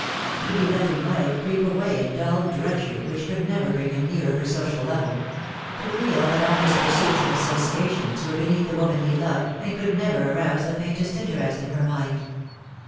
To be letting life creep away in dull drudgery which could never bring him nearer her social level; to feel that all his pursuits and associations were beneath the woman he loved, and could never arouse the faintest interest in her mind.